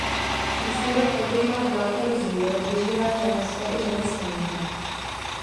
Usura pokrývá dláto rzí, rozežírá řemeslo i řemeslníka.